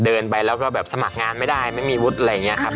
เดินไปแล้วก็แบบสมัครงานไม่ได้ไม่มีวุฒิอะไรอย่างนี้ครับ